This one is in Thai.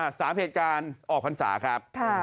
๓เหตุการณ์ออกพรรษาครับ